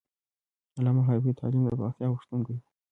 علامه حبیبي د تعلیم د پراختیا غوښتونکی و.